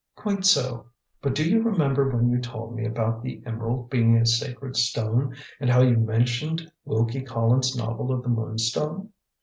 "Quite so. But do you remember what you told me about the emerald being a sacred stone, and how you mentioned Wilkie Collins' novel of 'The Moonstone'?